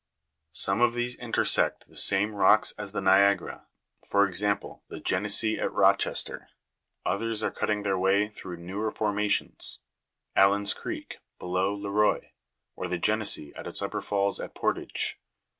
Some of these intersect the same rocks as the Niagara for example the Genesee at Rochester ; others are cutting their way through newer forma tions Allan's creek, below Le Roy, or the Genesee at its upper falls at Portage.